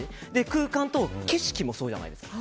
空間と景色もそうじゃないですか。